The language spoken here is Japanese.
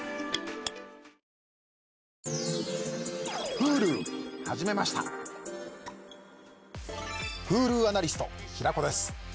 Ｈｕｌｕアナリスト平子です。